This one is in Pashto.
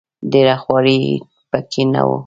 ډېره خواري په کې نه وه.